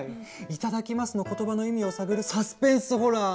「いただきます」の言葉の意味を探るサスペンスホラー！